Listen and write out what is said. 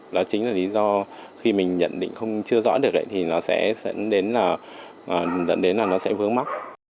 đó chính là lý do khi mình nhận định không chưa rõ được ấy thì nó sẽ dẫn đến là nó sẽ vướng mắc